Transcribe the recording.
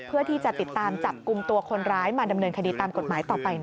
เพื่อที่จะติดตามจับกลุ่มตัวคนร้ายมาดำเนินคดีตามกฎหมายต่อไป